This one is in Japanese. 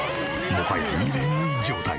もはや入れ食い状態。